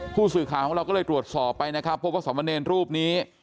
ผู้สื่อข่าวของเราก็เลยตรวจสอบไปนะครับพบว่าสมเนรรูปนี้